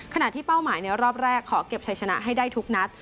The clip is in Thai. เป้าหมายในรอบแรกขอเก็บชัยชนะให้ได้ทุกนัด